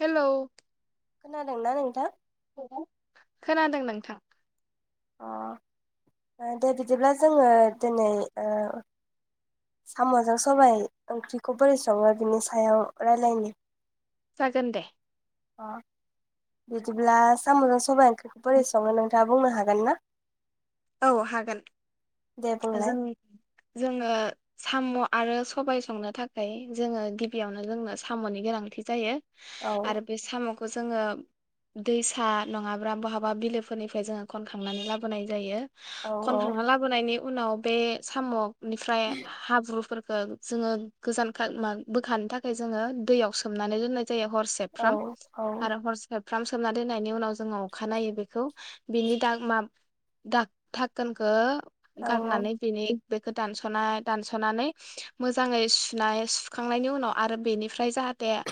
Hello खोनादोंना नोंथां खोनादों नोंथां अ दे बिदिब्ला जोङो दिनै ओ साम'जों सबाय ओंख्रिखौ बोरै सङो बिनि सायाव रायलायनि जागोन दे अ बिदिब्ला साम'जों सबाइ बे बोरै सङो नोंथाङा? बुंनो हागोन ना? औ हागोन। दे बुंलाय जों जोङो साम' आरो सबाय संनो थाखाय जोङो गिबियावनो जोंनो साम'नि गोनांथि जायो। औ आरो बे साम' खौ जोङो दैसा नङाब्ला बहाबा बिलोफोरनिफ्राय जोङो खनखांनानै लाबोनाय जायो। औ औ खनखांना लाबोनायनि उनाव बे साम' बेनिफ्राय हाब्रुफोर जोङो गोजान बोखानो थाखाय जोङो दैयाव सोमनानै दोननाय जायो औ हरसेबफ्राम औ आरो हरसे फ्राम सोमना दोननायनि उनाव जोङो अखानायनायो बेखौ बिनि दा माब दा थाकोनखो औ गारनानै बेनि बेखौ दानस'नाय दानस'नानै मोजाङै सुनाय सुखांनायनि उनाव आरो बेनिफ्राय जाहाथे दे‌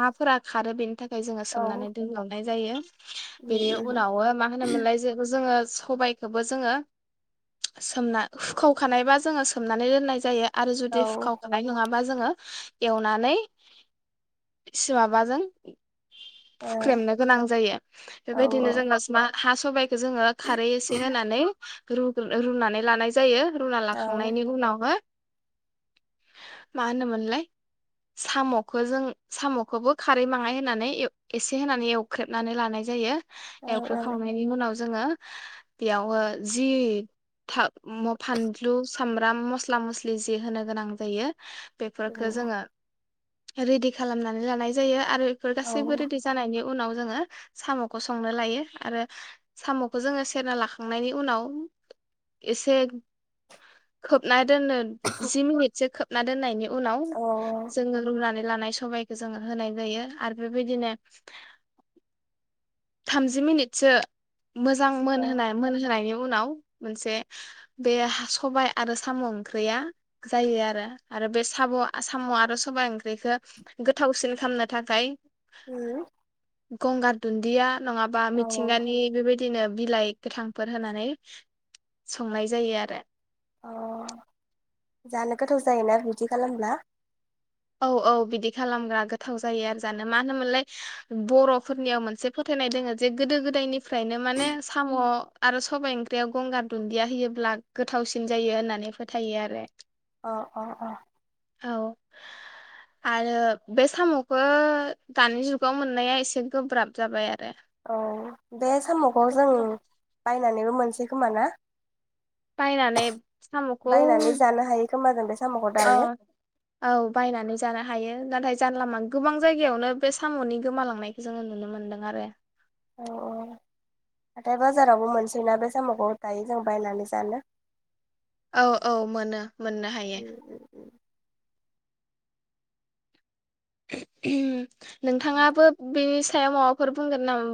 माफो खारो बेनि थाखाय ओमफाय जोङो औ सोमनानै दोनलावनाय जायो। उम बेनि उम उनाव मा होनोमोनलाय जोङो सबाइ बेखौबो जोङो सोमना हुखावखानायबा जोङो सोमनानै दोननाय जायो। आरो औ ओ जुदि फुखावखानाय नङाबा बा जोङो एवनानै माबाजों औ हुख्रेमनो गोनां जायो औ बेबायदिनो जोंङो मा हा सबाय जोङो खारै नानैै रुनानै लानाय जायो। रुना औ लाखांनायनि उनाव हो मा होनोमोनलाय साम'खौ जों साम'खौबो खारै माहाय होनानै एसे होनानै एवख्रेबनानै लानाय जायो। एवख्रो खावनायनि उनाव जो जोङो बेयावओ जि था फानलु सामब्राम मस्ला मस्लि जि होनो गोनां जायो। बेफोरफोरखौ उम जोङो रेडि खालामनानै लानाय जायो। आरो बेफोर औ गासैबो रेडि जानायनि उनाव जोङो साम'खौ संनो लायो आरो साम'खौ जोङो सेरना लाख खांनायनि उनाव एसे खोबनाय दोननो जि मिनिटसो खोब ना दोननायनि उनाव औ जोङो रुनानै लानाय सबायखौ जोङो होनाय जायो आरो बेबायदिनो थामजि मिनिटसो मोजां औ मोन होनाय। होनायनि उनाव मोनसे बे सबाय आरो साम' ओंख्रिया जायो आरो आरो बे साम' साम' आरो सबाय ओंख्रिखौ गोथावसिन खालामनो थाखाय गंगार दुन्दिया नङाबा उम औ मिथिंगानि बेबायदि बिदिनो बिलाइ गोथांफोर होनानै संनाय जायो आरो। अ जानो गोथाव जायोना बिदि खालामब्ला। औ औ बिदि खालामबा गोथाव जायो आरो जानो मा होनोमोनलाय बर'फोरनियाव मोनसे फोथायनाय दोङो जे गोदो गोदायनिफ्रायनो माने साम' आरो सबाइ ओंख्रियाव गंगार दुन्दिया होयोब्ला गोथावसिन जायो होननानै फोथायो आरो। औ औ औ औ आरो बे साम'खौ दानि जुगाव मोननाया एसे गोब्राब जाबाय आरो औ बे साम'खौ जों बायनानै बो मोनसै खोमा ना? बायनानै साम'खौ बायनानै जानो हायो खोमा जों बे साम'खौ औ दायो औ बायनानै जानो हायो नाथाय जानलालामा गोबां जायगायावनो बे साम'नि गोमालांनायखौ जोङो नुनो मोनदों आरो। औ औ हाथाय बाजारावबो मोनसै ना बे साम'खौ दायो जों बायनानै जानो औ औ मोनो मोननो हायो। उम उम उम उम नोंथाङाबो बे सायाव माबाफोर बुंगोन नामा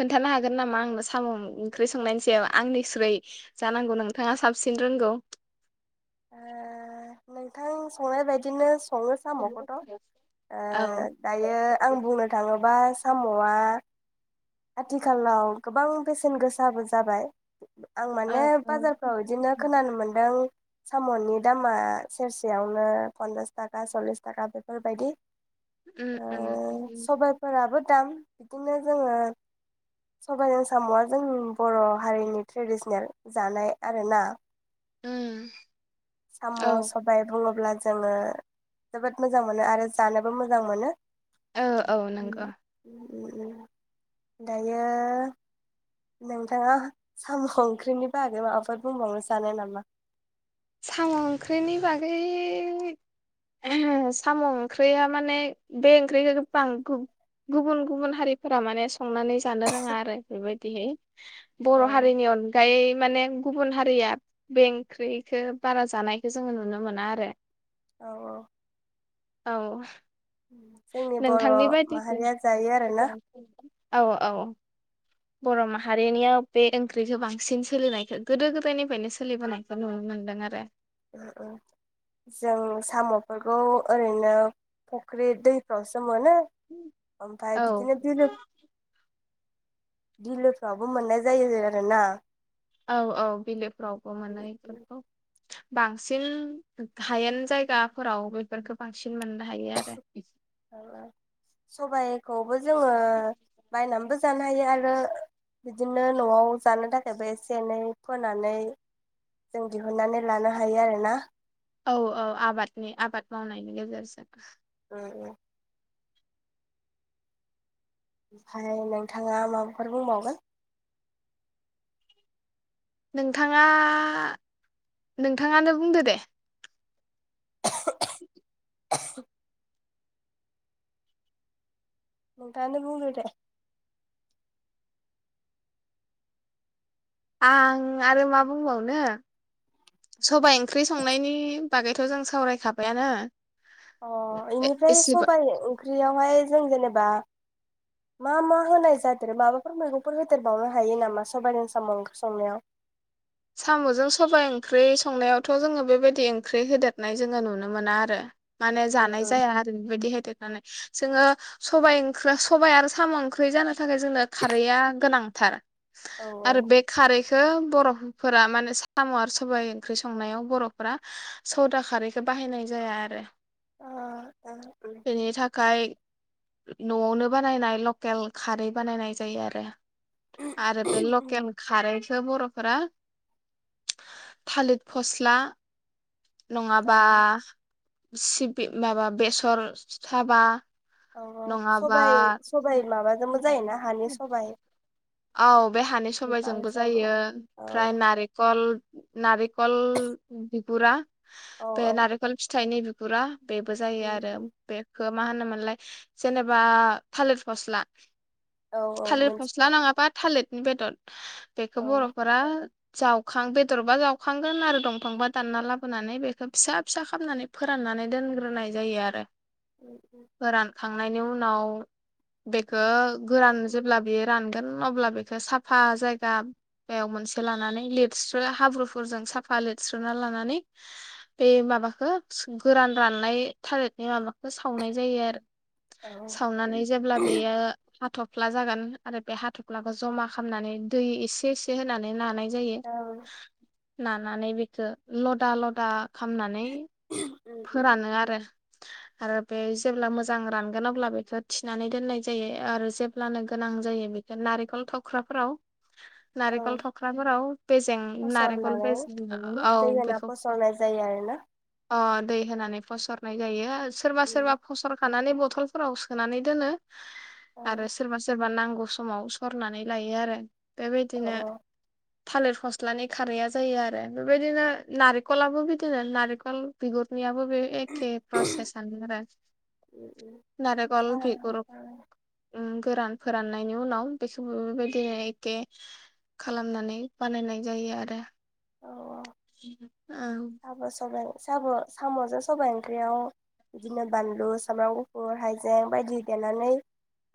खोनथानो हागोन नामा आंनो साम' ओंख्रि संनायनि सायाव आंनिस्रय जानांगौ नोंथाङा साबसिन रोंगौ। ओ नोंथां संनाय बायदिनो सङो औ साम'खौथ' ओ दायो आं बुंनो थाङोब्ला। साम'आ आथिखालाव गोबां बेसेन गोसाबो जाबाय आं औ माने बाजारफ्राव इदिनो खोनानो मोनदों। साम'नि दामा सेरसेयावनो पन्सास थाखा सल्लिस थाखा बेफोरबायदि उम ओ उम सबाय फोराबो दाम बिदिनो जोङो। सबायजों साम'या जोंनि बर' हारिनि ट्रेडिसनेल जानाय आरो ना। उम साम' औ सबाय बुङोब्ला जोङो जोबोद मोजां मोनो आरो जानोबो मोजां मोनो। औ औ नोंगौ। उम दायो नोंथाङा साम' ओंख्रिनि बागै माबाफोर बुंबावनो सानो नामा? साम' ओंख्रिनि बागै साम' ओंख्रिया माने बे ओंख्रि बां गु गुबुन गुबुन हारिफोरा माने संनानै जानो रोङा आरो बेबायदिहै। औ बर' हारिनि अनगायै माने गुबुन हारिया बे ओंख्रि खो बारा जानायखौ जोङो नुनो मोना आरो। औ औ औ जोंनि बर' नोंथांनि माहारिया जायो आरोना बायदिब्ला औ औ बर' माहारिनियाव बे ओंख्रिखौ बांसिन सोलिनायखो गोदो गोदायनिफ्रायनो सोलिबोनायखौ नुनो मोनदों आरो। उम उम जों साम'फोरखौ ओरैनो फख्रि दैफ्रावसो मोनो ओमफाय औ बिदिनो बिलो बिलोफ्रावबो मोननाय जायो आरो ना? औ औ बिलोफ्रावबो मोनो एफोरखौ। बांसिन हायेन जायगाफोराव बेफोरखो बांसिन बिदि मोननो हायो आरो। बेखौ जोङो बायनाबो जानो हायो आरो बिदिनो नयाव जानो थाखायबो एसे एनै फोनानै जों दिहुननानै लानो हायो आरो ना? औ औ आबादनि आबाद मावनायनि गेजेरजों। उम उम ओमफायो नोंथाङा माबाफोर बुंबावगोन? नोंथाङा नोंथाङानो बुंदो दे। [inaudible] नोंथाङानो‌ बुंदो दे। आं आरो मा बुंबावनो सबाय इं ख्रि संनायनि बागै थ जों सावरायखाबायानो अ इनिफ्राय एसेबा सबाइ ओंख्रियावहाय जों जेनेबा मा मा होनाय जादेरो माबाफोर मैगंफोर होदेरबावनो हायो नामा सबायाइजों साम' ओंख्रि संनायाव?? साम'जों सबाय ओंख्रि संनायावथ जोङो बेबायदि ओंख्रि होदेरनाय जोङो नुनो मोना आरो। माने औ जानाय जाया आरो बेबायदि होदेर जोङो सबाइ सबाइ आरो साम' ओंख्रि जानो थाखाय जोंनो खारैआ गोनां थार औ आरो बे खारै - खो बर' फोरा माने साम' आरो सबाइ ओंख्रि संनायाव बर'फोरा सदा खारैखौ बाहायनाय जाया आरो बेनि थाखाय न'आवनो बानायनाय लकेल खारै बानायनाय जायो आरो आरो बेै लकेल खारै खो बर'फोरा थालिद फस्ला औ नङाबा औ। सिबि माबा बेसर साबा औ औ नङाबा सबाइ सबाइ माबाजोंबो जायोना हानि सबाइ औ बे हानि सबाइजोंबो बिफांजों जायो औ ओमफ्राय नारेकल नारेकल बि फोरा औ बे औ नारेकल फिथाइनि फोरा बेबो जायो उम आरो उम बे खोब मा होनोमोनलाय जेनेबा थालिर फस्ला औ औ मोनथिबाय थालेदनि बेदद बेखौ औ बर'फोरा जावखां बेदरबा जावखांगोन आरो दंफांबा दानना लाबोनानै बेखौ फिसा फिसा खालामनानै फोराननानै दोनग्रोनाय जायो आरो उम उम थांनायनि उनाव बेखो गोरान जेब्ला बेयो रानगोन अब्ला बेखो साफा जायगायाव मोनसे लानानै लिरस्रो हाब्रुफोरजों साफा लिरस्रोना लानानै बे माबाखो गोरान राननाय थालिरनि माबा खो सावनाय जायो आरो औ सावनानै जेब्ला बेयो हाथ' फ्ला जागोन आरो बे हाथु फ्लाखौ जमा खालामनानै दै एसे एसे होनानै नानाय जायो औ उम नानाने बे खो लदा लदा खामनानै उम फोरानो आरो आरो बे जेब्ला मोजां रानगोन अब्ला बेखो थिनानै दोननाय जायो आरो जेब्लानो गोनां जायो बेखो नारेंखल थावख्राफोराव औ नारेंखल थख्राफोराव बेजें नारेंखल फसरनानै [inaudible] औ दै होना बेखौ फसरनाय जायो आरोना अ दै होनानै फसरनाय जायो। सोरबा सोरबा उम फसर खानानै बथलफोराव सोनानै दोनो। औ आरो सोरबा सोरबा नां गौ समाव सरनानै लायो आरो। औ बेबायदिनो थालिर फस्लानि खारैआ जायो आरो बेबायदिनो नारेंखलबो बिदिनो नारेंखल बिगुरनि आबो एखे प्रसेस आनो उम उम नालेंखर सा बि गुर ओम गोरान फोराननायनि उनाव बेखौबो बेबायदिनो एखे खालामनानै बानायनाय जायो आरो। औ औ साम' साम'जों सबायाइ ओंख्रियाव बिदिनो बानलु सामब्राम गुफुर हाइजें बायदि देनानै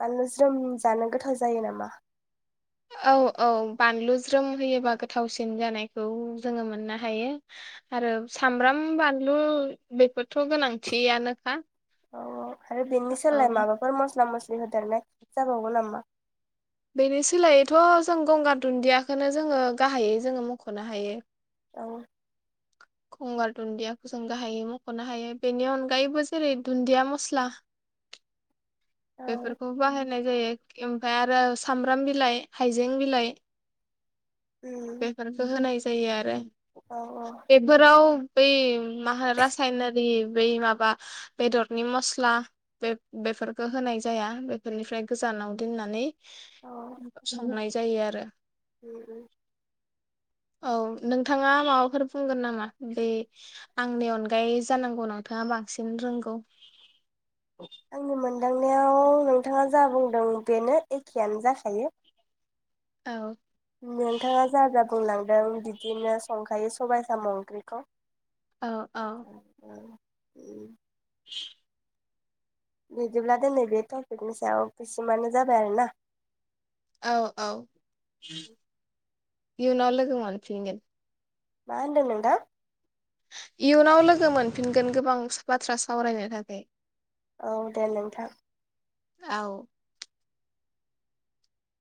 बानलु ज्रोम जानो गोथाव जायो नामा? औ औ बानलु ज्रोम होयोबा गोथावसिन जानायखौ जोङो मोननो हायो। आरो सामब्राम बानलु बेफोरथ' गोनांथियानोखा औ आरो बेनि औ सोलाय माबाफोर मस्ला मस्लि बि होदारनाय जाबावगौ नामा बेनि सोलायैथ' जों गंगार दुन्दियाखौनो जोङो गाहायै जोङो मख'नो हायो। औ गंगार दुन्दियाखौ जों गाहाय मख'नो हायो बेनि अनगायैबो जेरै दुन्दिया मस्ला बेफोरखौ बाहायनाय जायो। ओमफाय आरो सामब्राम बिलाइ हाइजें बिलाइ उम बेफोरखौ होनाय जायो औ आरो। बै मा रासायनारि बै माबा बेदरनि मस्ला बे बेफोरखौ होनाय जाया बेफोरनिफ्राय गोजानाव दोननानै औ संनाय जायो आरो उम औ नोंथाङा माबाफोर बुंगोन नामा बे आंनि अनगायै जानांगौ नोंथाङा बांसिन रोंगौ। आंनि मोनदांनायाव नोंथाङा जा बुंदों बेनो एखेयानो जाखायो औ नोंथाङा जा जा बुंलांदों बिदिनो संखायो। सबाय साम ओंख्रिखौ। अ औ उम [inaudible] बिदिब्ला दिनै बे टपिकनि सायाव बेसिमानो जाबाय आरोना औ औ इउनाव लोगों मोनफिनगोन मा होनदों नोंथां? इयुनाव लोगो मोनफिनगोन गोबां बाथ्रा सावरायनो थाखाय। औ दे नोंथां। औ